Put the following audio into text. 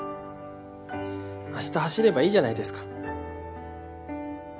明日走ればいいじゃないですか。